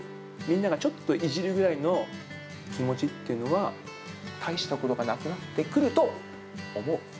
みんながちょっといじるぐらいの気持ちっていうのは、大したことがなくなってくると思う。